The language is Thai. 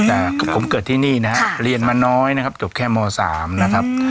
อ่าผมเกิดที่นี่นะฮะเรียนมาน้อยนะครับจบแค่มสามนะครับ